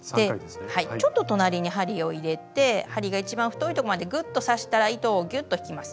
ちょっと隣に針を入れて針が一番太いとこまでぐっと刺したら糸をぎゅっと引きます。